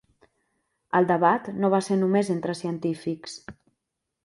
El debat no va ser només entre científics.